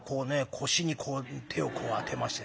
腰に手をこう当てましてね